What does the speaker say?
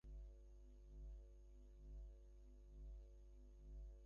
কলার খোসা ছাড়ালেন, কিন্তু মুখে দিতে পারলেন না।